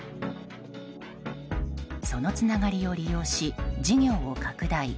そのつながりを利用し事業を拡大。